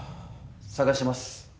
捜します。